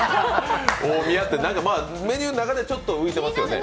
大宮って何か、メニューの中で、ちょっと浮いてますよね、確かに。